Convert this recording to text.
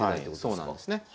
そうなんですね。